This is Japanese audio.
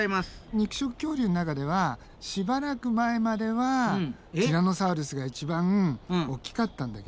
肉食恐竜の中ではしばらく前まではティラノサウルスが一番大きかったんだけど。